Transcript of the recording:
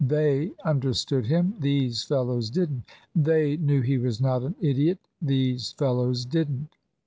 They understood him. These fellows didn't. They knew he was not an idiot. These fellows didn't.